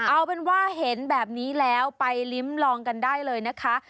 เอาเป็นว่าเห็นแบบนี้แล้วไปลิ้มลองกันได้เลยนะคะ